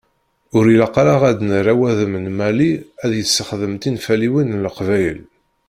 Ur ilaq ara ad nerr awadem n Mali ad yessexdem tinfaliyin n Leqbayel.